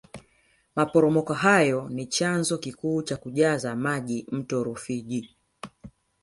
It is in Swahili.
maporomoko hayo ni chanzo kikuu cha kujaza maji mto rufiji